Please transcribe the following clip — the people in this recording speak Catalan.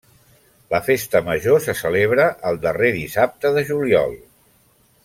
La festa Major se celebra el darrer dissabte de juliol.